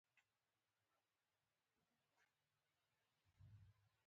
نو په دې وخت کې نالوستي خلک افسوس کوي.